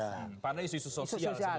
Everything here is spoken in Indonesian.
karena isu isu sosial sebetulnya ya